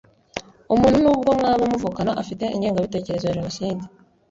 Umuntu nubwo mwaba muvukana afite ingengabitekerezo ya Jenoside